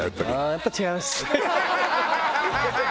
やっぱり違いますね。